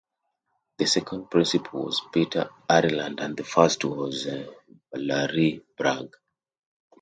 The second Principal was Peter Ireland and the first was Valerie Bragg.